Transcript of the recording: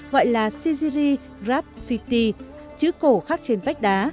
gọi là sijiri graffiti chữ cổ khác trên vách đá